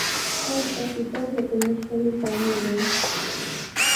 Hallqapita yakunashqami traamurqan.